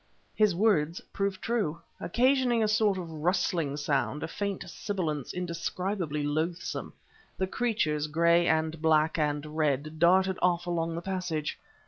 His words proved true. Occasioning a sort of rustling sound a faint sibilance indescribably loathsome the creatures gray and black and red darted off along the passage.